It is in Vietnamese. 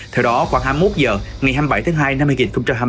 theo đó khoảng hai mươi một h ngày hai mươi bảy tháng hai năm hai nghìn hai mươi bốn